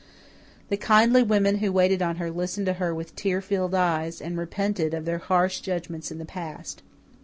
The kindly women who waited on her listened to her with tear filled eyes, and repented of their harsh judgments in the past.